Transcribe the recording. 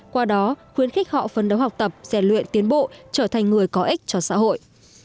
qua đó khuyến khích họ phấn đấu học tập rèn luyện tiến bộ trở thành người có ích cho xã hội